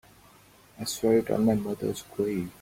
I swear it on my mother's grave.